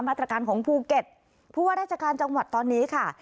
มาตรการของภูเก็ตผู้ว่าราชการจังหวัดตอนนี้ค่ะ